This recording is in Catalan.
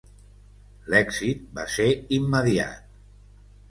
L'èxit va ser immediat.